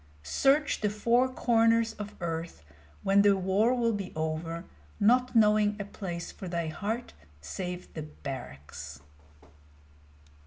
Search the four corners of earth when the war will be over, not knowing a place for thy heart save the barracks!